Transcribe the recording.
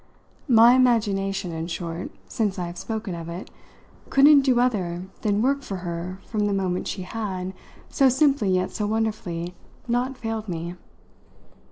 My imagination, in short, since I have spoken of it, couldn't do other than work for her from the moment she had, so simply yet so wonderfully, not failed me.